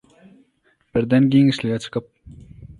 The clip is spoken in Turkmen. birden giňişlige çykyp